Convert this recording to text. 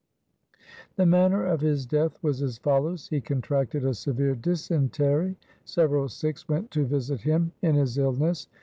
The manner of his death was as follows :— He con tracted a severe dysentery. Several Sikhs went to visit him in his illness.